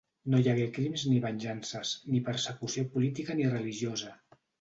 No hi hagué crims ni venjances, ni persecució política ni religiosa.